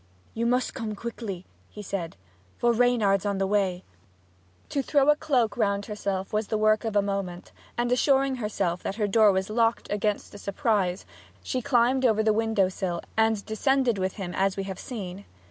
'You must come quickly,' he said; 'for Reynard's on the way!' To throw a cloak round herself was the work of a moment, and assuring herself that her door was locked against a surprise, she climbed over the window sill and descended with him as we have seen.